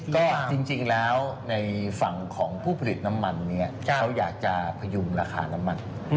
ก็จริงแล้วในฝั่งของผู้ผลิตน้ำมันเนี่ยเขาอยากจะพยุงราคาน้ำมัน